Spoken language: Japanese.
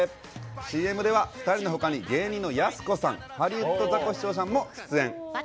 ＣＭでは２人のほかに、芸人のやす子さん、ハリウッドザコシショウさんも出演。